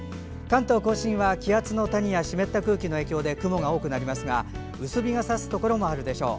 関東・甲信は気圧の谷や湿った空気の影響で雲が多くなりますが薄日が差すところもあるでしょう。